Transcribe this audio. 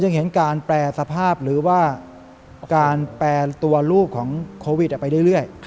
เห็นการแปรสภาพหรือว่าการแปรตัวลูกของโควิดไปเรื่อย